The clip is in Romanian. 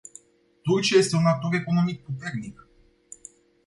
Turcia este un actor economic puternic.